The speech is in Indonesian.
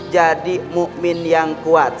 jadi mu'min yang kuat